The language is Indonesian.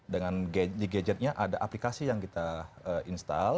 dengan gadgetnya ada aplikasi yang kita install